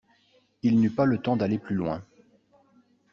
Il n’eut pas le temps d’aller plus loin.